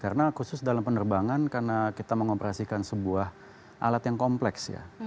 karena khusus dalam penerbangan karena kita mengoperasikan sebuah alat yang kompleks ya